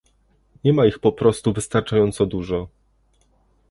Nie ma ich po prostu wystarczająco dużo